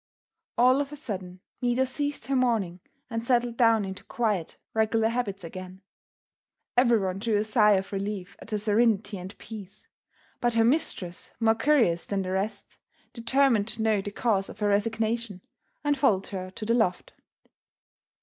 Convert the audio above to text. All of a sudden Maida ceased her mourning and settled down into quiet, regular habits again. Everyone drew a sigh of relief at her serenity and peace, but her mistress, more curious than the rest, determined to know the cause of her resignation and followed her to the loft.